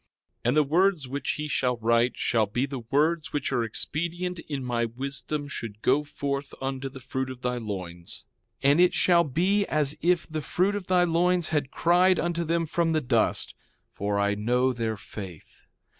3:19 And the words which he shall write shall be the words which are expedient in my wisdom should go forth unto the fruit of thy loins. And it shall be as if the fruit of thy loins had cried unto them from the dust; for I know their faith.